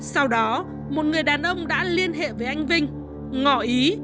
sau đó một người đàn ông đã liên hệ với anh vinh ngỏ ý